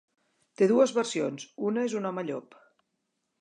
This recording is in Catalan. Té dues versions, una és un home-llop.